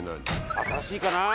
新しいかな？